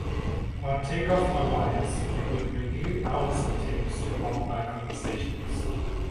I’d take off my wires and we’d review hours of tapes to qualify conversations.